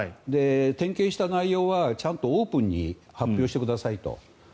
点検した内容はちゃんとオープンに発表してくださいと。